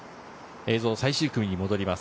映像は最終組に戻ります。